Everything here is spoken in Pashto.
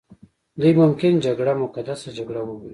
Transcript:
دوی ممکن جګړه مقدسه جګړه وبولي.